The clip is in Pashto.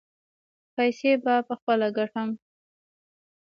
پیسې به پخپله ګټم.